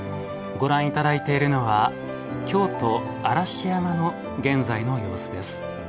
ご覧いただいているのは京都・嵐山の現在の様子です。